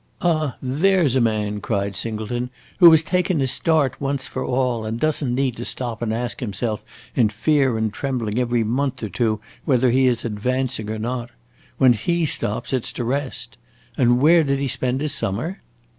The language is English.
"Ah, there 's a man," cried Singleton, "who has taken his start once for all, and does n't need to stop and ask himself in fear and trembling every month or two whether he is advancing or not. When he stops, it 's to rest! And where did he spend his summer?"